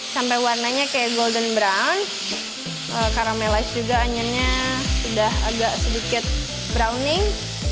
sampai warnanya kayak golden brown caramelize juga anginnya sudah agak sedikit browning